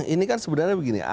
ini kan sebenarnya begini